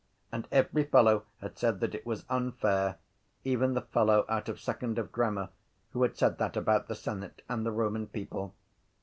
And every fellow had said that it was unfair, even the fellow out of second of grammar who had said that about the senate and the Roman people.